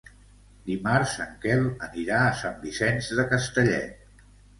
Dimarts en Quel anirà a Sant Vicenç de Castellet.